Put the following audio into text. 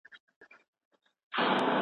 هغې ته ښکلې څه تعبير راوړم